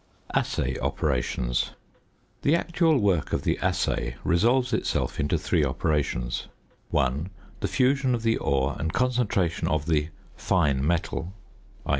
~Assay Operations.~ The actual work of the assay resolves itself into three operations: (1) The fusion of the ore and concentration of the "fine metal" (_i.